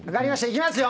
いきますよ